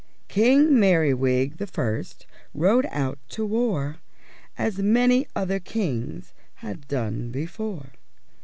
King Merriwig the First rode out to war _As many other kings had done before!